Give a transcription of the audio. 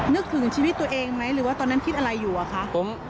นึกถึงชีวิตตัวเองไหมหรือว่าตอนนั้นคิดอะไรอยู่อะคะ